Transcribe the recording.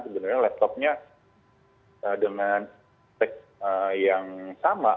sebenarnya laptopnya dengan tax yang sama